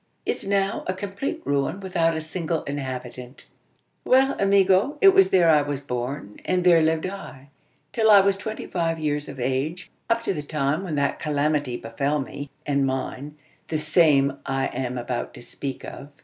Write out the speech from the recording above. Is now a complete ruin without a single inhabitant." "Well, amigo; it was there I was born: and there lived I, till I was twenty five years of age up to the time when that calamity befell me, and mine the same I am about to speak of.